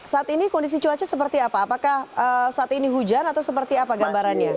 saat ini kondisi cuaca seperti apa apakah saat ini hujan atau seperti apa gambarannya